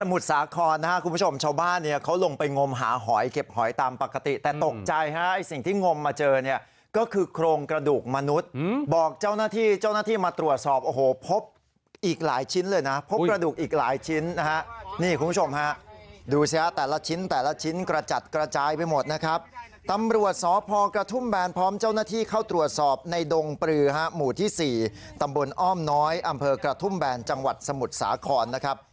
สมุทรสาครนะครับคุณผู้ชมชาวบ้านเนี่ยเขาลงไปงมหาหอยเก็บหอยตามปกติแต่ตกใจฮะสิ่งที่งมมาเจอเนี่ยก็คือโครงกระดูกมนุษย์บอกเจ้าหน้าที่เจ้าหน้าที่มาตรวจสอบโอ้โหพบอีกหลายชิ้นเลยนะครับพบกระดูกอีกหลายชิ้นนะฮะนี่คุณผู้ชมฮะดูสิฮะแต่ละชิ้นแต่ละชิ้นกระจัดกระจายไปหมดนะครับตำร